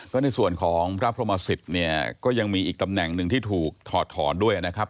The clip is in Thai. ก็ในส่วนของพระพรหมสิทธิ์เนี่ยก็ยังมีอีกตำแหน่งหนึ่งที่ถูกถอดถอนด้วยนะครับ